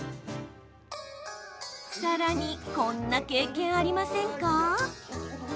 さらにこんな経験ありませんか？